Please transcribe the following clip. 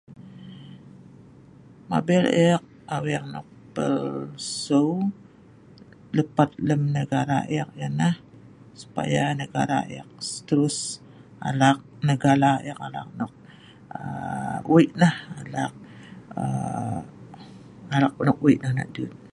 Mabel ek aweng nok pelseu lepat lem negala ek ianah supaya negala ek terus alak negala ek alak nok aaa wei' lah' alak aa nok wei' nonoh dut.